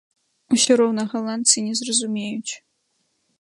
Усё роўна галандцы не зразумеюць!